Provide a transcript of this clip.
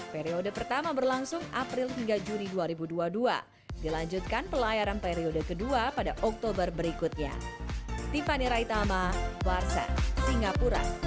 kita akan terus melihat orang indonesia datang ke singapura untuk mengambil kapal kursif